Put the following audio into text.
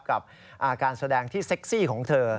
กับการแสดงที่เซ็กซี่ของเธอ